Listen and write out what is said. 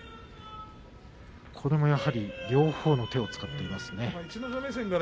これもやはり両方の手を使っていますね。